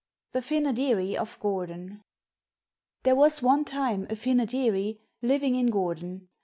THE FYNODEREE OF GORDON There was one time a Fynoderee living in Gordon.